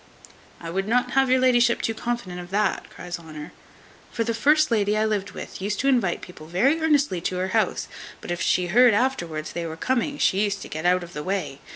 "I would not have your la'ship too confident of that," cries Honour; "for the first lady I lived with used to invite people very earnestly to her house; but if she heard afterwards they were coming, she used to get out of the way.